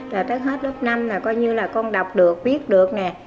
rồi tới hết lớp năm là coi như là con đọc được viết được nè